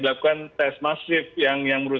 dilakukan tes masif yang menurut